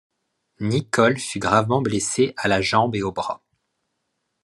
Nicol fut gravement blessé à la jambe et au bras.